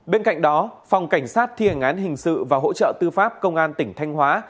bên cạnh đó phòng cảnh sát thi hành án hình sự và hỗ trợ tư pháp công an tỉnh thanh hóa